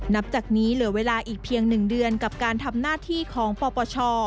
นับจากนี้เหลือเวลาอีกเพียง๑เดือนกับการทำหน้าที่ของปปช